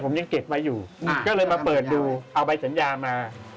ผมยังเก็บไว้อยู่ก็เลยมาเปิดดูเอาใบสัญญามา